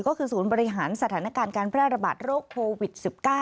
ก็คือศูนย์บริหารสถานการณ์การแพร่ระบาดโรคโควิด๑๙